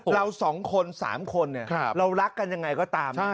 เราสองคน๓คนเรารักกันยังไงก็ตาม